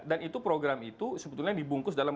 dan itu program itu sebetulnya dibungkus dalam